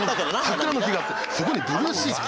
桜の木があってそこにブルーシート。